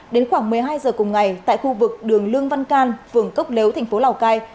đến khoảng một mươi hai h cùng ngày tại khu vực đường lương văn can phường cốc lếu tp lào cai